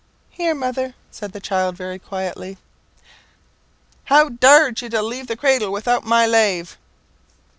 "Here, mother," said the child, very quietly. How dar'd you to leave the cradle widout my lave?"